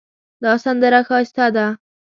دا سندره ښایسته ده